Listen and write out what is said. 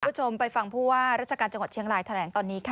คุณผู้ชมไปฟังผู้ว่าราชการจังหวัดเชียงรายแถลงตอนนี้ค่ะ